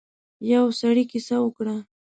يو سړی کيسه وکړه.